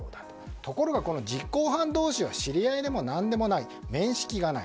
ところが実行犯同士は知り合いでも何でもない面識がない。